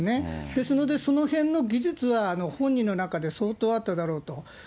ですので、そのへんの技術は本人の中で相当あっただろうと。